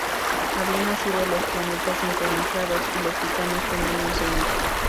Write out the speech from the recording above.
Habían nacido los Planetas Sincronizados, y los Titanes tenían un Señor.